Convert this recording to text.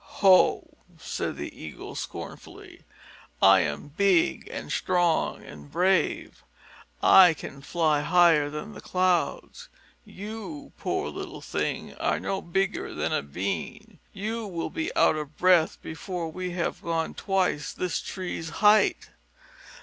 "Ho!" said the Eagle scornfully. "I am big and strong and brave. I can fly higher than the clouds. You, poor little thing, are no bigger than a bean. You will be out of breath before we have gone twice this tree's height."